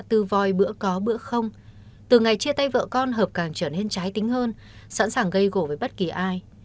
từ ngày chia tay vợ con hợp càng trở nên trái tính hơn sẵn sàng gây gỗ với bất kỳ ai